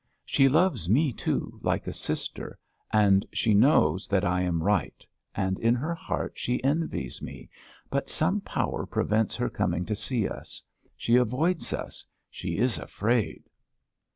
She loves me, too, like a sister, and she knows that I am right, and in her heart she envies me, but some power prevents her coming to see us. She avoids us. She is afraid."